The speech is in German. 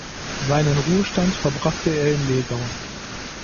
Seinen Ruhestand verbrachte er in Legau.